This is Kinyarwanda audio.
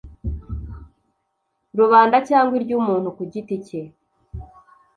rubanda cyangwa iry umuntu ku giti cye